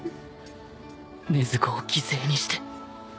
禰豆子を犠牲にして